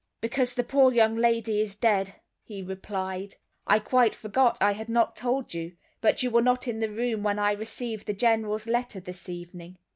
"Because the poor young lady is dead," he replied. "I quite forgot I had not told you, but you were not in the room when I received the General's letter this evening."